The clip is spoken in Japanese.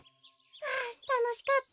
あたのしかった。